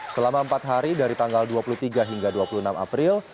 selama empat hari dari tanggal dua puluh tiga hingga dua puluh enam april